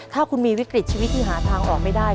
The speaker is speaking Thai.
ถ้าคุณมีวิกฤตชีวิตที่หาทางออกไม่ได้